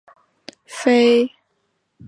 非有神论信仰的思维。